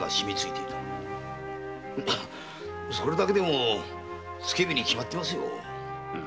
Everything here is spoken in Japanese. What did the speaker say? それだけでも付け火に決まってますよ。